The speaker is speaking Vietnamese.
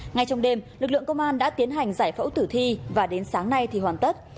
ngay trong đêm lực lượng công an đã tiến hành giải phẫu tử thi và đến sáng nay thì hoàn tất